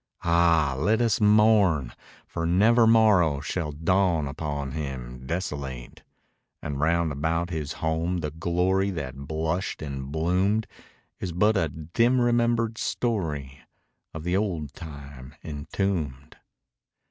(Ah, let us mourn! for never morrow Shall dawn upon him desolate !) And round about his home the glory That blushed and bloomed, Is but a dim remembered story Of the old time entombed.